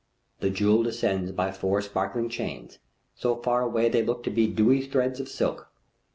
The jewel descends by four sparkling chains, so far away they look to be dewy threads of silk.